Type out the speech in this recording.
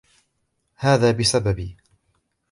هذا بسببي.